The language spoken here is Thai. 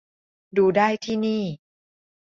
ดูได้ที่นี่